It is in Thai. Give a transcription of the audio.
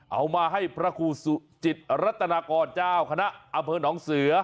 เอามาให้พระครูสุจิตรัตนากรเจ้าคณะอำเภอหนองเสือ